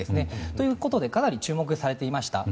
そういうことでかなり注目されていました。